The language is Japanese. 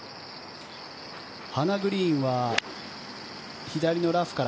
ハナ・グリーンは左のラフから。